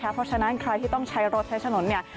เพราะฉะนั้นใครที่ต้องใช้รถใช้ถนนเนี่ย